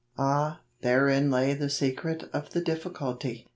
Ah, therein lay the secret of the difficulty